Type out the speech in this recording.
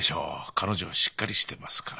彼女はしっかりしてますから。